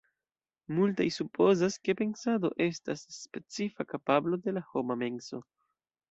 Multaj supozas, ke pensado estas specifa kapablo de la homa menso.